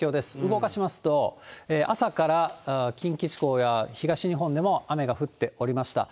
動かしますと、朝から近畿地方や東日本でも、雨が降っておりました。